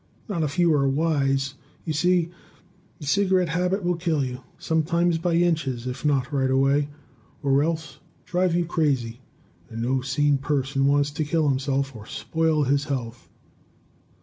Not if you are wise. You see, the cigarette habit will kill you sometime, by inches, if not right away, or else drive you crazy; and no sane person wants to kill himself or spoil his health.